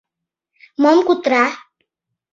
Мом кутыра?